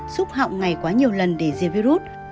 xúc họng ngày quá nhiều lần để diệt virus